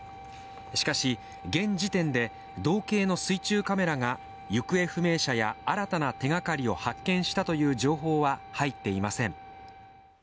しかし、現時点で道警の水中カメラが行方不明者や新たな手がかりを発見したという情報は入っていません。